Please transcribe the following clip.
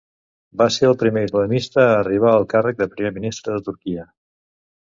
Va ser el primer islamista a arribar al càrrec de primer ministre de Turquia.